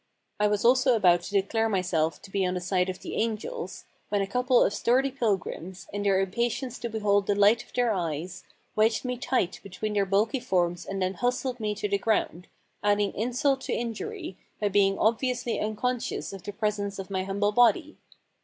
I was also about to declare myself to be on the side of the angels when a couple of sturdy pilgrims, in their impatience to behold the Light of their eyes, wedged me tight between their bulky forms and then hustled me to the ground, adding insult to in jury by being obviously unconscious of the presence of my humble body.